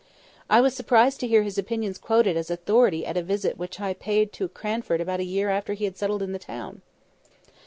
I was surprised to hear his opinions quoted as authority at a visit which I paid to Cranford about a year after he had settled in the town.